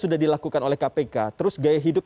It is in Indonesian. sudah dilakukan oleh kpk terus gaya hidup